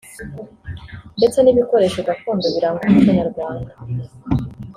ndetse n’ibikoresho gakondo biranga umuco nyarwanda